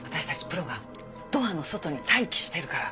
プロがドアの外に待機してるから。